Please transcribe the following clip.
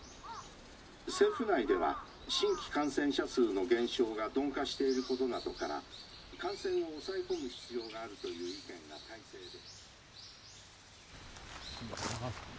政府内では新規感染者数の減少が鈍化していることなどから感染を抑え込む必要があるという意見が大勢で。